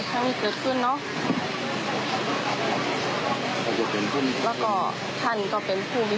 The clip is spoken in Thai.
กินค่อยเป็นกำลังใจ